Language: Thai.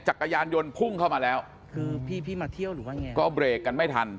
จักรยานยนต์พุ่งเข้ามาแล้วก็เบรกกันไม่ทัน